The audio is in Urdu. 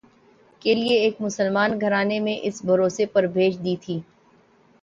کے لئے ایک مسلمان گھرانے میں اِس بھروسے پر بھیج دی تھی